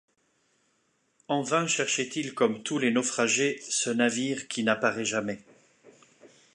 En vain cherchait-il comme tous les naufragés, ce navire « qui n’apparaît jamais!